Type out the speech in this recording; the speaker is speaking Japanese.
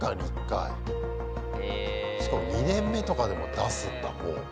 しかも２年目とかでも出すんだもう。